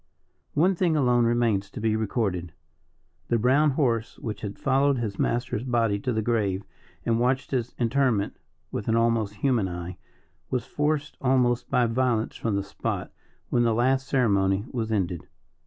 One thing alone remains to be recorded. The brown horse, which had followed his master's body to the grave, and watched his interment with an almost human eye, was forced almost by violence from the spot when the last ceremony was ended.